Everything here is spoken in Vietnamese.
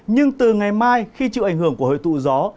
nhưng từ ngày mai khi chịu ảnh hưởng của hồi tụ gió